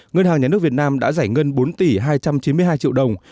ngân hàng nhà nước việt nam đã giải ngân bốn tỷ hai trăm chín mươi hai triệu đồng